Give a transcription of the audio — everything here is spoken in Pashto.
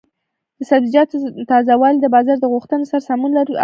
د سبزیجاتو تازه والي د بازار د غوښتنې سره سمون لري او ارزښت لري.